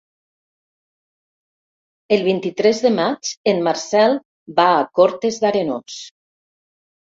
El vint-i-tres de maig en Marcel va a Cortes d'Arenós.